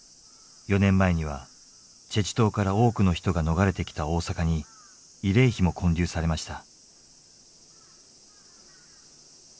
４年前には済州島から多くの人が逃れてきた大阪に慰霊碑も建立されました。